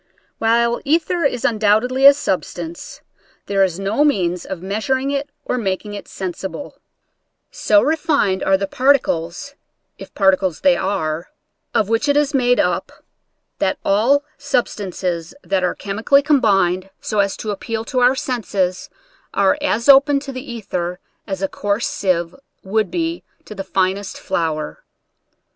While ether is undoubtedly a substance, there is no means of measuring it or making it sensible. So refined are the particles (if particles they are), of which it Original from UNIVERSITY OF WISCONSIN 44 nature's flStraclee. is made up, that all substances that are chemi cally combined so as to appeal to our senses, are as open to the ether as a coarse sieve would be to the finest flour.